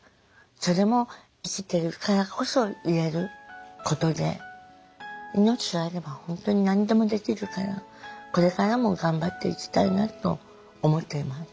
それも生きてるからこそ言えることで命があれば本当に何でもできるからこれからも頑張っていきたいなと思っています。